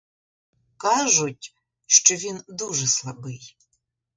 Кажуть, що він дуже слабий.